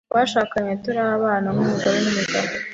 twashakanye turabana nk’umugore n’umugabo,